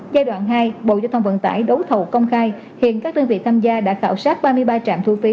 giai đoạn hai bộ giao thông vận tải đấu thầu công khai hiện các đơn vị tham gia đã khảo sát ba mươi ba trạm thu phí